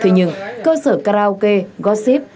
nhưng cơ sở karaoke gossip